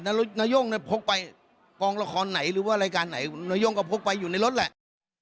นาย่งพกไปกองละครไหนหรือว่ารายการไหนนาย่งก็พกไปอยู่ในรถแหละ